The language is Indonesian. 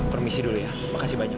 permisi dulu ya makasih banyak